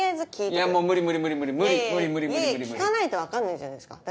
いやいや聞かないと分かんないじゃないですか。